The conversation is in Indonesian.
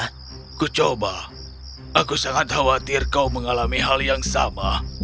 aku coba aku sangat khawatir kau mengalami hal yang sama